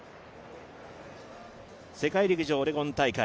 世界陸上オレゴン大会。